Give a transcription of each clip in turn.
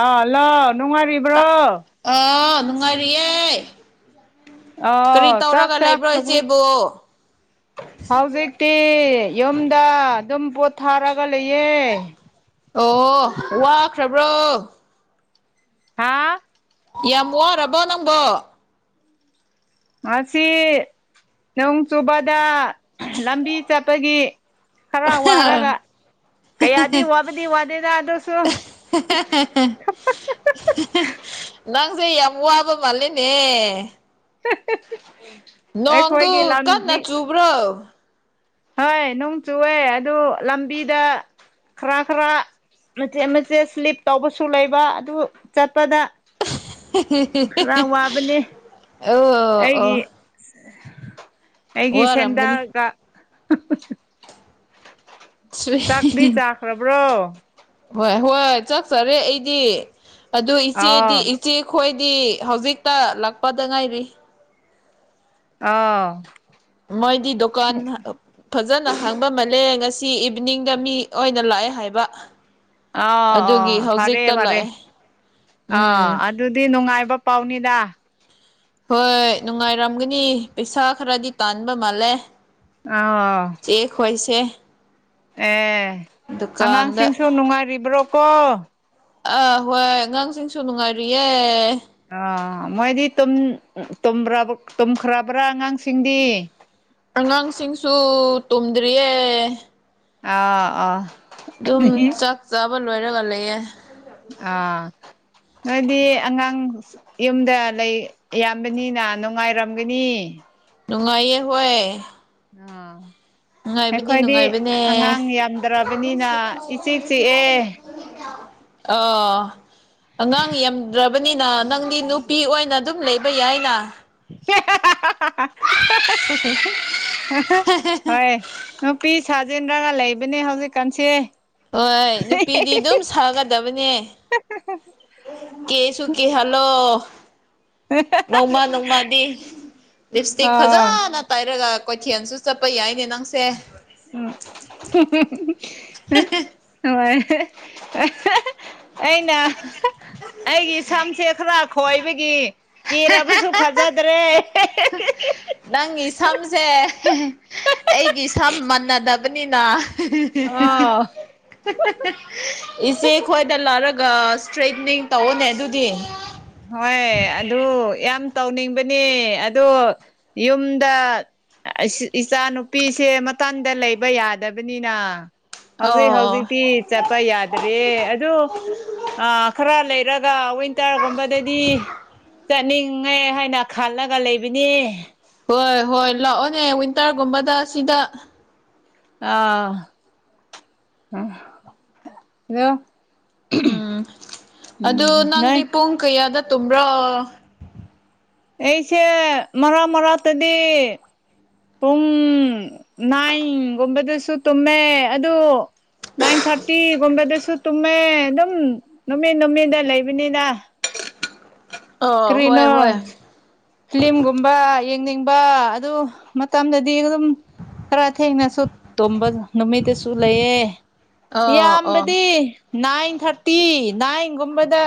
ꯑꯥ hello ꯅꯨꯡꯉꯥꯏꯔꯤꯕ꯭ꯔꯣ ꯥꯅꯨꯡꯉꯥꯏꯔꯤꯌꯦ ꯑ ꯆꯥꯛ ꯆꯈꯔ꯭ꯕꯣ ꯏꯆꯦꯕꯨ ꯍꯧꯖꯤꯛꯇꯤ ꯌꯨꯝꯗ ꯑꯗꯨꯝ ꯄꯣꯠꯊꯥꯔꯒ ꯂꯩꯌꯦ ꯈ꯭ꯔꯕ꯭ꯔꯣ ꯍꯥꯥ ꯌꯥꯝ ꯋꯥꯔꯕꯣ ꯅꯪꯕꯣ ꯃꯥꯁꯤ ꯅꯣꯡ ꯆꯨꯕꯗ ꯂꯝꯕꯤ ꯆꯠꯄꯒꯤ ꯈꯔ ꯋꯥꯔꯒ ꯀꯌꯥꯗꯤ ꯋꯥꯕꯗꯤ ꯋꯥꯗꯦꯗ ꯑꯗꯨꯁꯨ ꯅꯪꯁꯦ ꯌꯥꯝ ꯋꯥꯕ ꯃꯥꯜꯂꯦꯅꯦ [unintelligible] ꯅꯣꯡꯗꯨ ꯑꯩꯈꯣꯏꯒꯤ ꯀꯟꯅ ꯂꯝꯕꯤ ꯆꯨꯕ꯭ꯔꯣ ꯍꯣꯏ ꯅꯣꯡ ꯆꯨꯑꯦ ꯑꯗꯨ ꯂꯝꯕꯤꯗ ꯈꯔ ꯈꯔ ꯃꯆꯦꯠ ꯃꯆꯦꯠ ꯁ꯭ꯂꯤꯞ ꯇꯧꯕꯁꯨ ꯂꯩꯕ ꯑꯗꯨ ꯆꯠꯄꯗ ꯈꯔꯥ ꯋꯥꯕꯅꯦ ꯑꯣ ꯑꯣ ꯑꯩꯒꯤ ꯑꯩꯒꯤ ꯋꯥꯔꯝꯒꯅꯤ ꯁꯦꯟꯗꯜꯒ ꯆꯥꯛꯗꯤ ꯆꯥꯈ꯭ꯔꯕ꯭ꯔꯣ ꯍꯣꯏ ꯍꯣꯏ ꯆꯥꯛꯆꯔꯦ ꯑꯩꯗꯤ ꯑꯗꯨ ꯏꯆꯦꯗꯤ ꯑꯥ ꯏꯆꯦ ꯈꯣꯏꯗꯤ ꯍꯧꯖꯤꯛꯇ ꯂꯥꯛꯄꯗ ꯉꯥꯏꯔꯤ ꯑ ꯃꯣꯏꯗꯤ ꯗꯨꯀꯥꯟ ꯐ ꯐꯖꯅ ꯍꯥꯡꯕ ꯃꯜꯂꯦ ꯉꯁꯤ ꯏꯚꯤꯅꯤꯡꯗ ꯃꯤ ꯑꯣꯏꯅ ꯂꯥꯛꯑꯦ ꯍꯥꯏꯕ ꯑꯥ ꯑꯗꯨꯒꯤ ꯑꯣ ꯐꯔꯦ ꯍꯧꯖꯤꯛꯇ ꯐꯔꯦ ꯂꯥꯛꯑꯦ ꯑꯥ ꯎꯝ ꯑꯗꯨꯗꯤ ꯅꯨꯡꯉꯥꯏꯕ ꯄꯥꯎꯅꯤꯗ ꯍꯣꯏ ꯅꯨꯡꯉꯥꯏꯔꯝꯒꯅꯤ ꯄꯩꯁꯥ ꯈꯔꯗꯤ ꯇꯥꯟꯕ ꯃꯥꯜꯂꯦ ꯑꯥ ꯆꯦ ꯈꯣꯏꯁꯦ ꯑꯦ ꯗꯨꯀꯥꯟꯗ ꯑꯉꯥꯡꯁꯤꯡꯁꯨ ꯅꯨꯡꯉꯥꯏꯔꯤꯕ꯭ꯔꯣꯀꯣ ꯑꯥ ꯍꯣꯏ ꯑꯉꯥꯡꯁꯤꯡꯁꯨ ꯅꯨꯡꯉꯥꯏꯔꯤꯌꯦ ꯑ ꯃꯣꯏꯗꯤ ꯇꯨꯝꯈ꯭ꯔꯕ꯭ꯔꯥ ꯑꯉꯥꯡ ꯑꯉꯥꯡꯁꯤꯡꯁꯨ ꯇꯨꯝꯗ꯭ꯔꯤꯌꯦ ꯑꯥ ꯑꯥ ꯑꯗꯨꯝ ꯆꯥꯛ ꯆꯥꯕ ꯂꯣꯏꯔꯒ ꯂꯩꯌꯦ ꯑꯥ ꯅꯣꯏꯗꯤ ꯑꯉꯥꯡ ꯌꯨꯝꯗ ꯂꯩ ꯌꯥꯝꯕꯅꯤꯅ ꯅꯨꯡꯉꯥꯏꯔꯝꯒꯅꯤ ꯅꯨꯡꯉꯥꯏꯌꯦ ꯍꯣꯏ ꯑꯥ ꯅꯨꯡꯉꯥꯏꯕꯗꯤ ꯑꯩꯈꯣꯏꯗꯤ ꯅꯨꯡꯉꯥꯏꯕꯅꯦ ꯑꯉꯥꯡ ꯌꯥꯝꯗ꯭ꯔꯕꯅꯤꯅ ꯏ ꯆꯤꯛ ꯆꯤꯛꯑꯦ ꯑꯥ ꯑꯉꯥꯡ ꯌꯥꯝꯗ꯭ꯔꯕꯅꯤꯅ ꯅꯪꯗꯤ ꯅꯨꯄꯤ ꯑꯣꯏꯅ ꯑꯗꯨꯝ ꯂꯩꯕ ꯌꯥꯏꯅ [unintelligible] [unintelligible] ꯍꯣꯏ ꯅꯨꯄꯤ ꯁꯥ ꯖꯤꯟꯂꯒ ꯂꯩꯕꯅꯦ ꯍꯧꯖꯤꯛ ꯀꯥꯟꯁꯤꯦ ꯍꯣꯏ ꯅꯨꯄꯤꯗꯤ ꯑꯗꯨꯝ ꯁꯥꯒꯗꯕꯅꯦ ꯀꯦꯁꯨ ꯀꯦꯍꯜꯂꯣ ꯅꯣꯡꯃ ꯅꯣꯡꯃꯗꯤ ꯂꯤꯞꯁꯇꯤꯛ ꯑꯣ ꯐꯖꯅ ꯇꯩꯔꯒ ꯀꯩꯊꯦꯜꯁꯨ ꯆꯠꯄ ꯌꯥꯏꯅꯦ ꯅꯪꯁꯦ ꯍꯣꯏ ꯑꯩꯅ ꯑꯩꯒꯤ ꯁꯝꯁꯦ ꯈꯔ ꯈꯣꯏꯕꯒꯤ ꯀꯦꯔꯕꯁꯨ ꯐꯖꯗ꯭ꯔꯦ ꯅꯪꯒꯤ ꯁꯝꯁꯦ ꯑꯩꯒꯤ ꯁꯝ ꯃꯟꯅꯗꯕꯅꯤꯅ ꯑꯣ ꯏꯆꯦ ꯈꯣꯏꯗ ꯂꯣꯔꯛ ꯏꯁꯇ꯭ꯔꯦꯠꯅꯤꯡ ꯇꯧꯅꯦ ꯑꯗꯨꯗꯤ ꯍꯣꯏ ꯑꯗꯨ ꯌꯥꯝ ꯇꯧꯅꯤꯡꯕꯅꯤ ꯑꯗꯨ ꯌꯨꯝꯗ ꯏꯆꯥ ꯅꯨꯨꯄꯤꯁꯦ ꯃꯊꯥꯟꯗ ꯂꯩꯕ ꯌꯥꯗꯕꯅꯤꯅ ꯍꯧꯖꯤꯛ ꯑꯣ ꯍꯧꯖꯤꯛꯇꯤ ꯆꯠꯄ ꯌꯥꯗ꯭ꯔꯦ ꯑꯗꯨ ꯑ ꯈꯔ ꯂꯩ ꯔꯒ ꯋꯤꯟꯇꯔ ꯀꯨꯝꯕꯗꯗꯤ ꯆꯠꯅꯤꯡꯉꯦ ꯍꯥꯏꯅ ꯈꯜꯂꯒ ꯂꯩꯕꯅꯤ ꯍꯣꯏ ꯍꯣꯏ ꯂꯥꯛꯑꯣꯅꯦ ꯋꯤꯟꯇꯔꯒꯨꯝꯕꯗ ꯁꯤꯗ [unintelligible] ꯎꯝ ꯎꯝ ꯑꯗꯨ ꯅꯣꯏ ꯅꯪꯗꯤ ꯄꯨꯡ ꯀꯌꯥꯗ ꯇꯨꯝꯕ꯭ꯔꯣ ꯑꯩꯁꯦ ꯃꯔꯛ ꯃꯔꯥꯛꯇꯗꯤ ꯄꯨꯡ ꯅꯥꯏꯟꯒꯨꯝꯕꯗꯁꯨ ꯇꯨꯝꯃꯦ ꯑꯗꯨ ꯅꯥꯏꯟ ꯊꯥꯔꯇꯤꯒꯨꯝꯕꯗꯁꯨ ꯇꯨꯝꯃꯦ ꯑꯗꯨꯝ ꯅꯨꯃꯤꯠ ꯅꯨꯃꯤꯗ ꯂꯩꯕꯅꯤꯗ ꯑꯣ ꯍꯣꯏ ꯀꯔꯤꯅꯣ ꯍꯣꯏ ꯐꯤꯂꯝꯒꯨꯝꯕ ꯌꯦꯡꯅꯤꯡꯕ ꯑꯗꯨ ꯃꯇꯝꯗꯗꯤ ꯗꯤ ꯑꯗꯨꯝ ꯈꯔ ꯊꯦꯡꯅꯁꯨ ꯇꯨꯝꯝꯕ ꯅꯨꯃꯤꯠꯇꯁꯨ ꯂꯩꯌꯦꯦ ꯑꯣ ꯑꯣ ꯌꯥꯝꯕꯗꯤ ꯅꯥꯏꯟ ꯊꯥꯔꯇꯤ ꯅꯥꯏꯟꯒꯨꯝꯕꯗ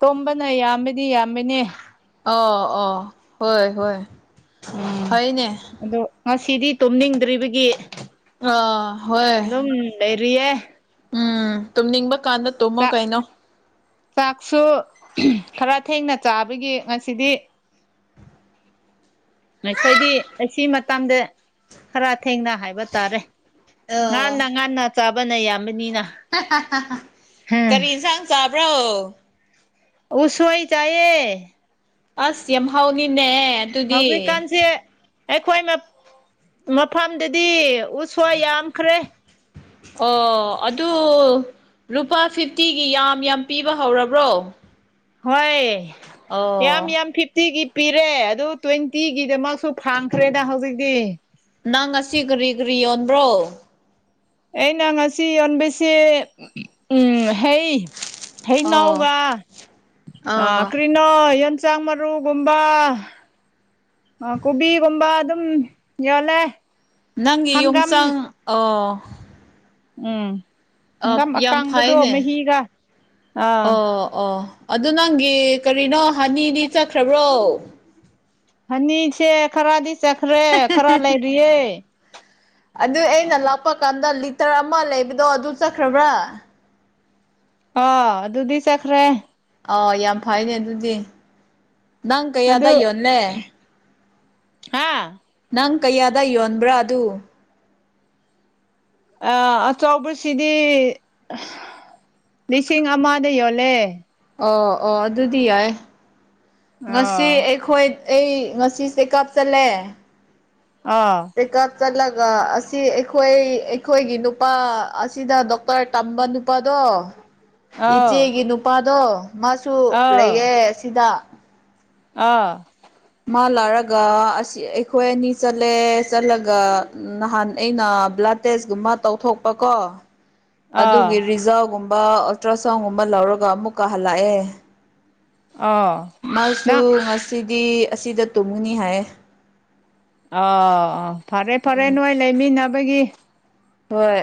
ꯇꯨꯝꯕꯅ ꯌꯥꯝꯕꯗꯤ ꯌꯥꯝꯕꯅꯦ ꯑꯣ ꯑꯣ ꯍꯣꯏ ꯍꯣꯏ ꯐꯩꯅꯦ ꯁꯤꯗꯤ ꯇꯨꯝꯅꯤꯡꯗ꯭ꯔꯤꯕꯒꯤ ꯑ ꯍꯣꯏ ꯔꯤꯌꯦ ꯎꯝ ꯇꯨꯝꯅꯤꯡꯕ ꯀꯥꯟꯗ ꯇꯨꯝꯃꯣ ꯆꯥꯛ ꯀꯩꯅꯣ ꯆꯥꯛꯁꯨ ꯈꯔ ꯊꯦꯡꯅ ꯆꯥꯕꯒꯤ ꯉꯁꯤꯗꯤ ꯅꯈꯣꯏꯗꯤ ꯑꯁꯤ ꯃꯇꯥꯡꯗ ꯈꯔ ꯊꯦꯡꯅ ꯍꯥꯏꯕ ꯇꯥꯔꯦ ꯑ ꯉꯟꯅ ꯉꯟꯅ ꯆꯥꯕꯅ ꯌꯥꯝ ꯀꯔꯤ ꯏꯟꯁꯥꯡ ꯆꯥꯕ꯭ꯔꯣ ꯎꯁꯣꯏ ꯆꯥꯏꯌꯦ ꯑꯁ ꯌꯥꯝ ꯍꯥꯎꯅꯤꯅꯦ ꯑꯗꯨꯗꯤ ꯍꯧꯖꯤꯛꯀꯥꯟꯁꯦ ꯑꯩꯈꯣꯏ ꯃꯐꯝꯗꯗꯤ ꯎꯁꯣꯏ ꯌꯥꯝꯈ꯭ꯔꯦ ꯑꯣ ꯑꯗꯨ ꯂꯨꯄꯥ ꯐꯤꯐꯇꯤꯒꯤ ꯌꯥꯝ ꯌꯥꯝ ꯄꯤꯕ ꯍꯧꯔꯕ꯭ꯔꯣ ꯍꯣꯏ ꯌꯥꯝ ꯑꯣ ꯌꯥꯝ ꯐꯤꯐꯇꯤꯒꯤ ꯄꯤꯔꯦ ꯑꯗꯨ ꯇ꯭ꯋꯦꯟꯇꯤꯒꯤꯗꯃꯛꯁꯨ ꯐꯪꯈ꯭ꯔꯦꯗ ꯍꯧꯖꯤꯛꯇꯤ ꯅꯪ ꯉꯁꯤ ꯀꯔꯤ ꯀꯔꯤ ꯌꯣꯟꯕ꯭ꯔꯣ ꯑꯩꯅ ꯉꯁꯤ ꯌꯣꯟꯕꯁꯤ ꯎꯝ ꯍꯩ ꯑꯣ ꯍꯩꯅꯧꯒ ꯑ ꯑꯣ ꯀ꯭ꯔꯤꯅꯣ ꯌꯣꯟ ꯆꯥꯛ ꯃꯔꯨꯒꯨꯝꯕ ꯑ ꯀꯣꯕꯤꯒꯨꯝꯕ ꯑꯗꯨꯝ ꯌꯣꯜꯂꯦ ꯅꯪꯒꯤ ꯌꯣꯡ ꯆꯥꯡ ꯍꯪꯒꯥꯝ ꯑ ꯎꯝ ꯍꯪꯒꯥꯝ ꯌꯥꯝ ꯑꯀꯥꯡꯕꯗꯣ ꯐꯩꯅꯦ ꯃꯍꯤꯒ ꯑꯥ ꯑꯣ ꯑꯣ ꯑꯗꯨ ꯅꯪꯒꯤ ꯀꯔꯤꯅꯣ ꯍꯅꯤꯗꯤ ꯆꯠꯈ꯭ꯔꯕ꯭ꯔꯣ ꯍꯅꯤꯁꯦ ꯈꯔꯗꯤ ꯆꯈ꯭ꯔꯦ ꯈꯔ ꯂꯩꯥꯔꯤꯌꯦ ꯇꯔ ꯑꯃ ꯂꯩꯕꯗꯣ ꯑꯗꯨ ꯆꯠꯈ꯭ꯔꯕ꯭ꯔꯥ ꯑ ꯑꯗꯨꯗꯤ ꯆꯠꯈ꯭ꯔꯦ ꯑꯥꯎ ꯌꯥꯝ ꯐꯩꯅꯦ ꯑꯗꯨꯗꯤ ꯅꯪ ꯀꯌꯥꯗ ꯌꯣꯜꯂꯦ ꯍꯥꯥ ꯅꯪ ꯀꯌꯥꯗ ꯌꯣꯟꯕ꯭ꯔꯥ ꯑꯗꯨ ꯑ ꯑꯆꯧꯄꯁꯤꯗꯤ ꯂꯤꯁꯤꯡ ꯑꯃꯗ ꯌꯣꯜꯂꯦ ꯑꯣ ꯑꯣ ꯑꯗꯨꯗꯤ ꯌꯥꯏ ꯉꯁꯤ ꯑꯥ ꯑꯩꯈꯣꯏ ꯑꯩ ꯉꯁꯤꯁꯦ ꯆꯦꯀꯥꯞ ꯆꯜꯂꯦ ꯑꯥ ꯆꯠꯂꯒ ꯑꯁꯤ ꯑꯩꯈꯣꯏ ꯑꯩꯈꯣꯏꯒꯤ ꯅꯨꯄꯥ ꯑꯁꯤꯗ ꯗꯣꯛꯇꯔ ꯇꯝꯕ ꯅꯨꯄꯥꯗꯣ ꯑꯣ ꯑꯥꯎ ꯏꯆꯦꯒꯤ ꯅꯨꯄꯥꯗꯣ ꯃꯥꯁꯨ ꯑꯥꯎ ꯂꯩꯌꯦ ꯑꯁꯤꯗ ꯑꯥ ꯃꯥ ꯂꯥꯔꯒ ꯑꯁꯤ ꯑꯩꯈꯣꯏ ꯑꯅꯤ ꯆꯠꯂꯦ ꯆꯠꯂꯒ ꯅꯍꯥꯟ ꯑꯩꯅ ꯕ꯭ꯂꯥꯏ ꯇꯦꯁꯀꯨꯝꯕ ꯇꯧꯊꯣꯛꯄ ꯀꯣ ꯑꯥ ꯑꯗꯨꯒꯤ ꯔꯤꯖꯜꯒꯨꯝꯕ ꯑꯜꯇ꯭ꯔ ꯁꯥꯎꯟꯒꯨꯝꯕ ꯂꯧꯔꯒ ꯑꯃꯨꯛ ꯀꯥ ꯍꯜꯂꯛꯑꯦ ꯑꯥ ꯃꯥꯁꯨ ꯅꯪ ꯉꯁꯤꯗꯤ ꯑꯁꯤꯗ ꯇꯨꯝꯒꯅꯤ ꯍꯥꯏꯌꯦ ꯑ ꯐꯔꯦ ꯐꯔꯦ ꯅꯣꯏ ꯂꯩꯃꯤꯟꯅꯕꯒꯤ ꯍꯣꯏ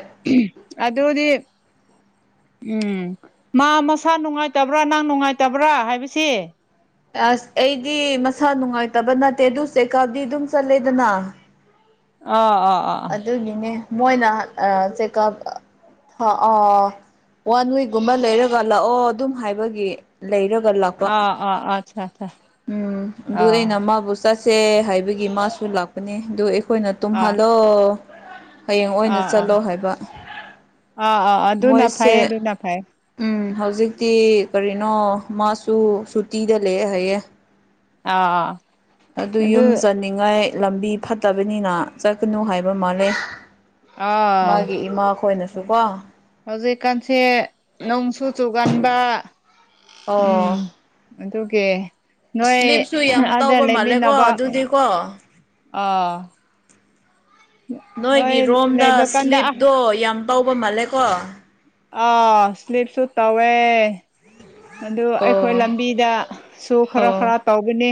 ꯑꯗꯨꯗꯤ ꯎꯝ ꯃꯥ ꯃꯁꯥ ꯅꯨꯡꯉꯥꯏꯇꯕ꯭ꯔꯥ ꯅꯪ ꯅꯨꯡꯉꯥꯏꯇꯕ꯭ꯔꯥ ꯍꯥꯏꯕꯁꯤ ꯑꯁ ꯑꯩꯗꯤ ꯃꯁꯥ ꯅꯨꯡꯉꯥꯏꯇꯕ ꯅꯠꯇꯦ ꯑꯗꯨ ꯆꯦꯀꯥꯞꯗꯤ ꯑꯗꯨꯝ ꯆꯠꯂꯦꯗꯅ ꯑꯥ ꯑꯥ ꯑꯥ ꯑꯥ ꯑꯗꯨꯒꯤꯅꯦ ꯃꯣꯏꯅ ꯆꯦꯛꯑꯞ ꯑ ꯑ ꯋꯥꯟ ꯋꯤꯛꯀꯨꯝꯕ ꯂꯩꯔꯒ ꯂꯥꯛꯑꯣ ꯑꯗꯨꯝ ꯍꯥꯏꯕꯒꯤ ꯂꯩꯔꯒ ꯂꯥꯛꯄ ꯑ ꯑ ꯑ ꯎꯝ ꯑꯗꯨ ꯑꯩꯅ ꯃꯥꯕꯨ ꯆꯠꯁꯦ ꯍꯥꯏꯕꯒꯤ ꯃꯥꯁꯨ ꯂꯥꯛꯄꯅꯦ ꯑꯗꯨ ꯑꯩꯈꯣꯏꯅ ꯑꯥ ꯑꯥ ꯇꯨꯝꯍꯜꯂꯣ ꯍꯌꯦꯡ ꯑꯣꯏꯅ ꯑꯥ ꯆꯠꯂꯣ ꯍꯥꯏꯕ ꯑꯥ ꯑꯥ ꯑꯗꯨꯅ ꯃꯣꯏꯁꯦ ꯐꯩ ꯑꯗꯨꯅ ꯐꯩ ꯎꯝ ꯍꯧꯖꯤꯛꯇꯤ ꯀꯔꯤꯅꯣ ꯃꯥꯁꯨ ꯁꯨꯇꯤꯗ ꯂꯩꯑꯦ ꯍꯥꯏꯌꯦ ꯑꯥ ꯑꯗꯨ ꯌꯨꯝ ꯆꯅꯤꯡꯉꯥꯏ ꯂꯝꯕꯤ ꯐꯠꯇꯕꯅꯤꯅ ꯆꯠꯀꯅꯨ ꯍꯥꯏꯕ ꯃꯥꯜꯂꯦ ꯑꯥ ꯃꯥꯒꯤ ꯏꯃꯥ ꯈꯣꯏꯅꯁꯨ ꯀꯣ ꯍꯧꯖꯤꯛꯀꯥꯟꯁꯦ ꯅꯣꯡꯁꯨ ꯆꯨꯒꯟꯕ ꯑꯣ ꯎꯝ ꯑꯗꯨꯒꯤ ꯅꯣꯏ ꯁ꯭ꯂꯤꯞꯁꯨ ꯌꯥꯝ ꯑꯥꯗ ꯇꯧꯕ ꯃꯥꯜꯂꯦꯀꯣ ꯂꯩꯃꯤꯟꯅꯕ ꯑꯗꯨꯗꯤꯀꯣ ꯑꯥ ꯅꯣꯏ ꯅꯣꯏꯒꯤ ꯔꯣꯝꯗ ꯂꯩꯕ ꯀꯥꯟꯗ ꯁ꯭ꯂꯤꯞꯇꯣ ꯌꯥꯝ ꯇꯧꯕ ꯃꯥꯜꯂꯦꯀꯣ ꯑꯥ ꯁ꯭ꯂꯤꯞ ꯁꯨ ꯇꯧꯋꯦ ꯑꯗꯨ ꯑꯩꯈꯣꯏ ꯑꯣ ꯂꯝꯕꯤꯗꯁꯨꯨ ꯈꯔ ꯑꯣ ꯈꯔ ꯇꯧꯕꯅꯤ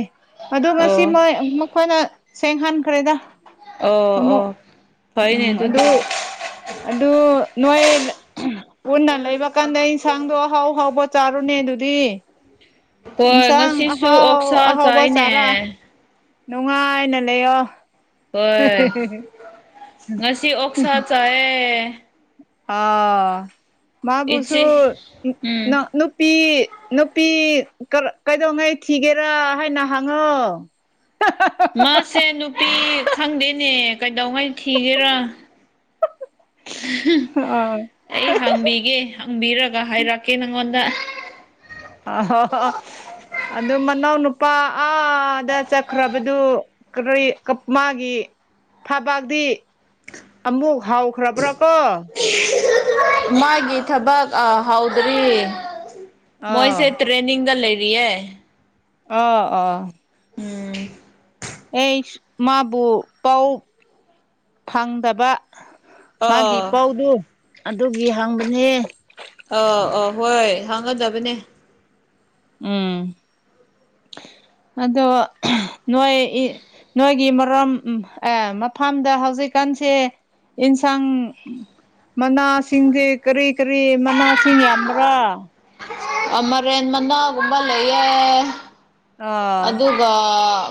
ꯑꯗꯨ ꯉꯁꯤ ꯃꯣꯏ ꯃꯈꯣꯏꯅ ꯁꯦꯡ ꯍꯟꯈ꯭ꯔꯦꯗ ꯑꯣ ꯑꯃꯨꯛ ꯑꯣ ꯐꯩꯅꯦ ꯎꯝ ꯑꯗꯨꯗꯤ ꯑꯗꯨ ꯑꯗꯨ ꯅꯣꯏ ꯄꯨꯟꯅ ꯂꯩꯕ ꯀꯥꯟꯗ ꯏꯟꯁꯥꯡꯗꯣ ꯑꯍꯥꯎ ꯑꯍꯥꯎꯕ ꯆꯥꯔꯣꯅꯦ ꯑꯗꯨꯗꯤ ꯍꯣꯏ ꯏꯟꯁꯥꯡ ꯉꯁꯤꯁꯨ ꯑꯍꯥꯎ ꯑꯣꯛꯁꯥ ꯑꯍꯥꯎꯕ ꯆꯥꯔ ꯆꯥꯏꯅꯦ ꯅꯨꯡꯉꯥꯏꯅ ꯂꯩꯌꯣ ꯍꯣꯏ ꯉꯁꯤ ꯑꯣꯛꯁꯥ ꯆꯥꯏꯌꯦ ꯑ ꯃꯥꯕꯨꯁꯨ ꯏꯆꯦ ꯅ ꯎꯝ ꯅꯨꯄꯤ ꯅꯨꯄꯤ ꯀꯩꯗꯧꯉꯩ ꯊꯤꯒꯦꯔ ꯍꯥꯏꯅ ꯍꯪꯉꯣ ꯃꯥꯁꯦ ꯅꯨꯄꯤ ꯈꯪꯗꯦꯅꯦ ꯀꯩꯗꯧꯉꯩ ꯊꯤꯒꯦꯔꯥ [inaudible] ꯑꯩ ꯍꯪꯕꯤꯒꯦ ꯍꯪꯕꯤꯔꯒ ꯍꯥꯏꯔꯛꯀꯦ ꯅꯪꯉꯣꯟꯗ [unintelligible] ꯑꯗꯨ ꯃꯅꯥꯎ ꯅꯨꯄꯥ ꯑꯥꯗ ꯆꯠꯈ꯭ꯔꯕꯗꯨ ꯀꯔꯤ ꯃꯥꯒꯤ ꯊꯕꯥꯛꯗꯤ ꯑꯃꯨꯛ ꯍꯥꯎꯈ꯭ꯔꯕ꯭ꯔꯥ ꯀꯣ ꯃꯥꯒꯤ ꯊꯕꯛ ꯍꯥꯎꯗ꯭ꯔꯤ ꯃꯣꯏꯁꯦ ꯑꯥ ꯇ꯭ꯔꯦꯟꯅꯤꯡꯗ ꯂꯩ ꯌꯦ ꯑꯥ ꯑꯥ ꯑꯩꯆ ꯃꯥꯕꯨ ꯄꯥꯎ ꯐꯪꯗꯕ ꯃꯥꯒꯤ ꯑꯥ ꯄꯥꯎꯗꯨ ꯑꯗꯨꯒꯤ ꯍꯪꯕꯅꯦ ꯐꯪꯒꯗꯕꯅꯦ ꯎꯝ [inaudible] ꯑꯗꯣ ꯅꯣꯏ ꯅꯣꯏꯒꯤ ꯃꯔꯝ ꯃꯐꯝꯗ ꯍꯧꯖꯤꯛꯀꯥꯟ ꯀꯥꯟꯁꯦ ꯏꯟꯁꯥꯡ ꯃꯅꯥꯁꯤꯡꯁꯦ ꯀꯔꯤ ꯀꯔꯤ ꯃꯅꯥꯁꯤꯡ ꯌꯥꯝꯕ꯭ꯔꯥ ꯑꯥ ꯃꯥꯏꯔꯦꯟ ꯃꯅꯥꯒꯨꯝꯕ ꯂꯩꯌꯦ ꯑꯥ ꯑꯗꯨꯒ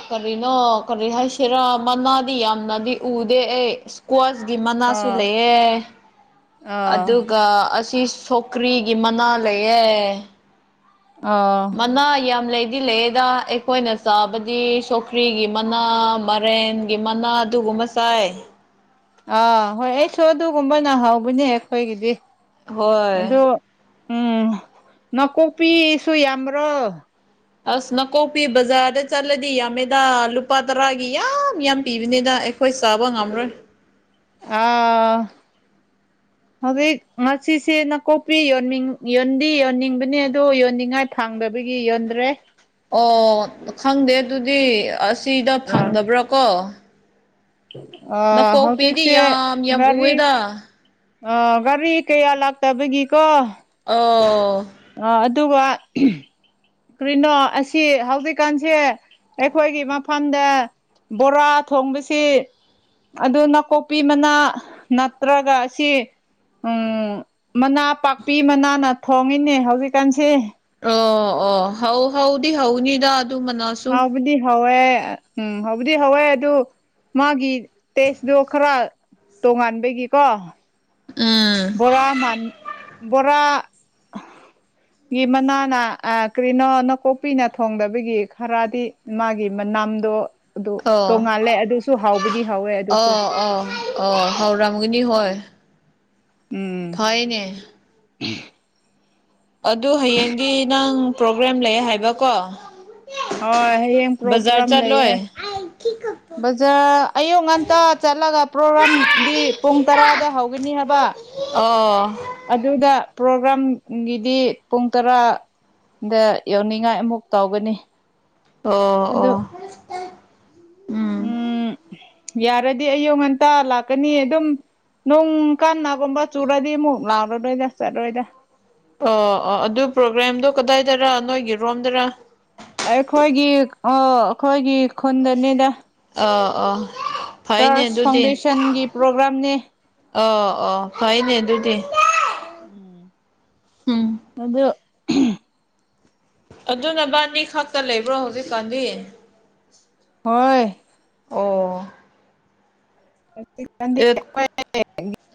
ꯀꯔꯤꯅꯣ ꯀꯔꯤ ꯍꯥꯏꯁꯤꯔꯥ ꯃꯅꯥꯗꯤ ꯌꯥꯝꯅꯗꯤ ꯎꯗꯦ ꯑꯩ ꯏꯁꯀꯋꯥꯁ ꯒꯤ ꯃꯅꯥꯁꯨ ꯑꯥ ꯂꯩꯑꯦ ꯑꯥ ꯑꯗꯨꯒ ꯑꯁꯤ ꯁꯧꯒꯔ꯭ꯤꯒꯤ ꯃꯅꯥ ꯂꯩꯌꯦ ꯑꯥ ꯃꯅꯥ ꯌꯥꯝ ꯂꯩꯗꯤ ꯂꯩꯑꯗ ꯑꯩꯈꯣꯏꯅ ꯆꯥꯕꯗꯤ ꯁꯧꯒꯔ꯭ꯤꯒꯤ ꯃꯅꯥ ꯃꯔꯦꯟꯒꯤ ꯃꯅꯥ ꯑꯗꯨꯒꯨꯝꯕ ꯆꯥꯏ ꯑꯥ ꯍꯣꯏ ꯑꯩꯁꯨ ꯑꯗꯨꯒꯨꯝꯕꯅ ꯍꯥꯎꯕꯅꯦ ꯑꯩꯈꯣꯏꯒꯤꯗꯤ ꯍꯣꯏ ꯑꯗꯨ ꯎꯝ ꯅꯥꯀꯨꯞꯄꯤꯁꯨ ꯌꯥꯝꯕ꯭ꯔꯣ ꯑꯁ ꯅꯥꯀꯣꯛꯄꯤ ꯕꯖꯥꯔꯗ ꯆꯠꯂꯗꯤ ꯌꯥꯝꯃꯦꯗꯥ ꯂꯨꯄꯥ ꯇꯔꯥꯒꯤ ꯌꯥꯝ ꯌꯥꯝ ꯄꯤꯕꯅꯤꯗ ꯑꯩꯈꯣꯏ ꯆꯥꯕ ꯉꯝꯔꯣꯏ ꯑꯥ [inaudible] ꯍꯧꯖꯤꯛ ꯉꯁꯤꯁꯦ ꯅꯥꯀꯨꯞꯄꯤ ꯌꯣꯟꯅꯤꯡ ꯌꯣꯟꯗꯤ ꯌꯣꯟꯅꯤꯡꯕꯅꯦ ꯑꯗꯣ ꯌꯣꯟꯅꯤꯡꯉꯥꯏ ꯐꯥꯡꯗꯕ ꯒꯤ ꯌꯣꯟꯗ꯭ꯔꯦ ꯑꯣ ꯈꯪꯗꯦ ꯑꯗꯨꯗꯤ ꯑꯁꯤꯗ ꯐꯪꯗꯕ꯭ꯔꯥ ꯀꯣ ꯑ ꯅꯥꯀꯣꯛꯄꯤꯗꯤ ꯍꯧꯖꯤꯛꯁꯦ ꯌꯥꯝ ꯌꯥꯝ ꯒꯥꯔꯤ ꯎꯑꯦꯗ ꯑ ꯒꯥꯔꯤ ꯀꯌꯥ ꯂꯥꯛꯇꯕꯒꯤꯀꯣ ꯑꯣ ꯑ ꯑꯗꯨꯒ ꯀ꯭ꯔꯤꯅꯣ ꯑꯁꯤ ꯍꯧꯖꯤꯛꯀꯥꯟꯁꯦ ꯑꯩꯈꯣꯏꯒꯤ ꯃꯐꯝꯗ ꯕꯣꯔꯥ ꯊꯣꯡꯕꯁꯦ ꯑꯗꯨ ꯅꯥꯀꯨꯞꯄꯤ ꯃꯅꯥ ꯅꯠꯇ꯭ꯔꯒ ꯑꯁꯤ ꯎꯝ ꯃꯅꯥ ꯄꯥꯛꯄꯤ ꯃꯅꯥꯅ ꯊꯣꯡꯉꯤꯅꯦ ꯍꯧꯖꯤꯛꯀꯥꯟꯁꯦ ꯑꯣ ꯑꯣ ꯍꯧ ꯍꯧꯗꯤ ꯍꯧꯅꯤꯗ ꯑꯗꯨ ꯃꯅꯥꯁꯨ ꯋꯦ ꯎꯝ ꯍꯧꯕꯨꯗꯤ ꯍꯧꯋꯦ ꯑꯗꯨ ꯃꯥꯒꯤ ꯇꯦꯁꯇꯣ ꯈꯔ ꯇꯣꯉꯥꯟꯕꯒꯤꯀꯣ ꯎꯝ ꯕꯣꯔꯥ ꯃꯥꯟ ꯕꯣꯔꯥ [inaudible] ꯒꯤ ꯃꯅꯥꯅ ꯀꯔꯤꯅꯣ ꯅꯀꯣꯛꯄꯤꯅ ꯊꯣꯡꯗꯕꯒꯤ ꯈꯔꯗꯤ ꯃꯥꯒꯤ ꯃ ꯅꯥꯝꯗꯣ ꯑꯗꯨ ꯑꯣ ꯇꯣꯉꯥꯜꯂꯦ ꯑꯗꯨꯁꯨ ꯍꯥꯎꯕꯗꯤ ꯍꯥꯎꯋꯦ ꯑꯗꯨꯁꯨ ꯑꯣ ꯑꯣ ꯑꯣ ꯎꯝ ꯐꯥꯏꯅꯦ [unintelligible] ꯑꯗꯨ ꯍꯌꯦꯡꯗꯤ ꯅꯪ ꯄ꯭ꯔꯣꯒ꯭ꯔꯥꯝ ꯂꯩ ꯍꯥꯏꯕꯀꯣ ꯍꯣꯏ ꯍꯌꯦꯡ ꯕꯖꯥꯔ ꯄ꯭ꯔꯣꯒ꯭ꯔꯥꯝ ꯂꯩꯌꯦ ꯆꯠꯂꯣꯏ ꯕꯖꯥꯔ ꯑꯌꯨꯛ ꯉꯟꯇꯥ ꯆꯠꯂꯒ ꯄ꯭ꯔꯣꯒ꯭ꯔꯥꯝꯗꯤ ꯄꯨꯡ ꯇꯔꯥꯗ ꯍꯧꯒꯅꯤ ꯍꯥꯏ ꯕꯥ ꯑꯣ ꯑꯗꯨꯗ ꯄ꯭ꯔꯣꯒ꯭ꯔꯥꯝꯒꯤꯗꯤ ꯄꯨꯡ ꯇꯔꯥ ꯗ ꯌꯧꯅꯤꯡꯉꯥꯏ ꯑꯃꯨꯛ ꯇꯧꯒꯅꯤ ꯑꯣ ꯑꯗꯨ ꯑꯣ ꯎꯝ ꯌꯥꯔꯗꯤ ꯑꯌꯨꯛ ꯉꯟꯇꯥ ꯂꯥꯛꯀꯅꯤ ꯑꯗꯨꯝ ꯅꯣꯡ ꯀꯥꯟꯅꯥꯒꯨꯝꯕ ꯆꯨꯔꯗꯤ ꯑꯃꯨꯛ ꯂꯥꯎꯔꯔꯣꯏꯗ ꯆꯠꯔꯣꯏꯗ ꯑꯣ ꯑꯣ ꯑꯗꯨ ꯄ꯭ꯔꯣꯒ꯭ꯔꯥꯝꯗꯣ ꯀꯗꯥꯏꯗꯔ ꯅꯣꯏꯒꯤꯔꯣꯝꯗꯔ ꯑꯩꯈꯣꯏꯒꯤ ꯑꯣ ꯑꯩꯈꯣꯏꯒꯤ ꯈꯨꯟꯗꯅꯤꯗ ꯑꯥ ꯑꯥ ꯐꯩꯅꯦ ꯆꯔꯆ ꯐꯥꯎꯟꯗꯦꯁꯟꯒꯤ ꯄ꯭ꯔꯣꯒ꯭ꯔꯥꯝꯅꯦ ꯑꯣ ꯑꯣ ꯐꯥꯏꯅꯦ ꯑꯗꯨꯗꯤ ꯎꯝ ꯎꯝ ꯑꯗꯨ ꯑꯗꯨ ꯅꯕꯥꯅꯤ ꯈꯛꯇ ꯂꯩꯕ꯭ꯔꯣ ꯍꯧꯖꯤꯛꯀꯥꯟꯗꯤ ꯍꯣꯏ ꯑꯣ ꯍꯧꯖꯤꯛꯀꯥꯟꯗꯤ ꯑꯦꯠ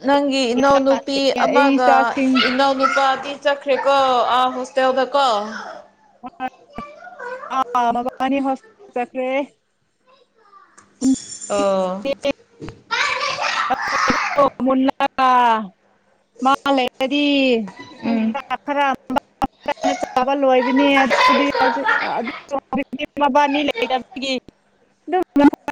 ꯅꯪꯒꯤ ꯏꯅꯥꯎ ꯅꯨꯄꯤ ꯑꯩ ꯑꯃꯒ ꯏꯆꯥꯁꯤꯡ ꯏꯅꯥꯎ ꯅꯨꯄꯥꯗꯤ ꯆꯠꯈ꯭ꯔꯦ ꯀꯣ ꯑꯥ ꯍꯣꯁꯇꯦꯜꯗ ꯀꯣ ꯑꯥ ꯃꯕꯥꯅꯤ ꯍꯣꯁ ꯆꯠꯈ꯭ꯔꯦ [inaudible] [unintelligible] ꯃꯥ ꯂꯩꯔꯗꯤ ꯎꯝ ꯈꯔ ꯈꯔ ꯆꯥꯕ ꯂꯣꯏꯕꯅꯦ ꯑꯗꯨꯗꯤ ꯍꯧꯖꯤꯛ ꯃꯕꯥꯅꯤ ꯂꯩꯕꯒꯤ [inaudible] ꯑꯗꯨ [unintelligible]